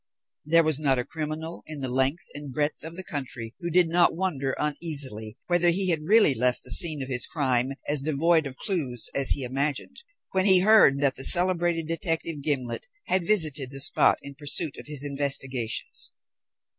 There was not a criminal in the length and breadth of the country who did not wonder uneasily whether he had really left the scene of his crime as devoid of clues as he imagined, when he heard that the celebrated detective, Gimblet, had visited the spot in pursuit of his investigations.